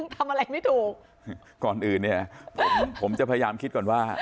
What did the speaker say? ทำอะไรไม่ถูกก่อนอื่นเนี่ยผมผมจะพยายามคิดก่อนว่า